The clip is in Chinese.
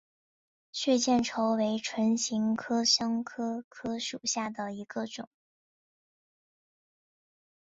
血见愁为唇形科香科科属下的一个种。